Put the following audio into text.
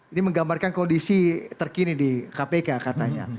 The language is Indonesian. ini menggambarkan kondisi terkini di kpk katanya